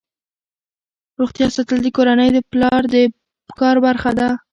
روغتیا ساتل د کورنۍ د پلار د کار برخه ده.